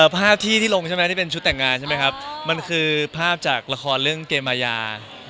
ภาพที่ที่ลงที่เป็นชุดแต่งงานมันคือภาพจากละครเรื่องเกมยา